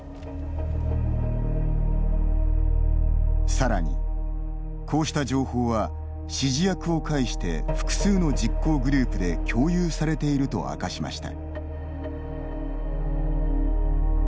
さらに、こうした情報は指示役を介して複数の実行グループで共有されていると明かしました。